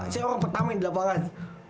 saya orang pertama yang di lapangan